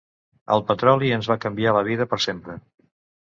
El petroli ens va canviar la vida per sempre.